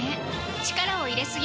力を入れすぎない